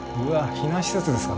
避難施設ですかね？